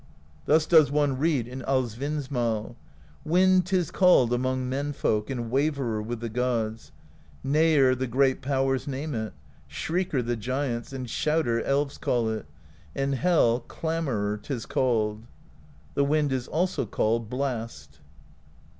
Thus does one read in Alsvinnsmal : Wind 't is called among menfolk, And Waverer with the gods, — Neigher the great powers name it; Shrieker the giants. And Shouter elves call it; In Hel Clamorer 't is called. The Wind is also called Blast.